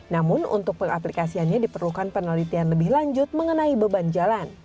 namun untuk pengaplikasiannya diperlukan penelitian lebih lanjut mengenai beban jalan